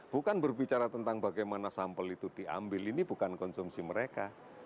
bukan berbicara tentang bagaimana sampel itu diambil ini bukan konsumsi mereka